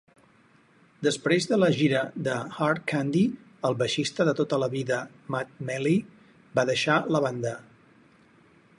Després de la gira de Hard Candy, el baixista de tota la vida Matt Malley va deixar la banda.